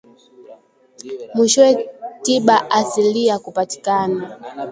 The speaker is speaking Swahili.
mwishowe tiba asilia kupatikana